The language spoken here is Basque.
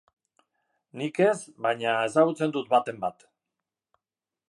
Nik ez, baina ezagutzen dut baten bat.